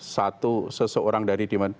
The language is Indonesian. satu seseorang dari dewan